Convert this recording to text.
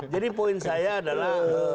jadi poin saya adalah